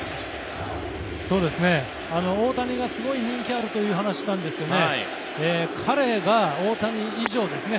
大谷がすごい人気あるという話をしたんですが彼が大谷以上ですね。